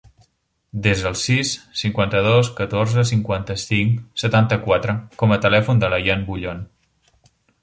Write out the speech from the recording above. Desa el sis, cinquanta-dos, catorze, cinquanta-cinc, setanta-quatre com a telèfon de l'Ayaan Bullon.